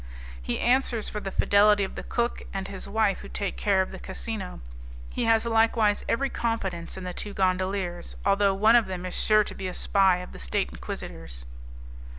"He answers for the fidelity of the cook and his wife who take care of the casino. He has likewise every confidence in the two gondoliers, although one of them is sure to be a spy of the State Inquisitors."